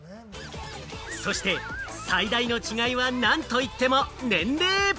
そして最大の違いは、なんといっても年齢。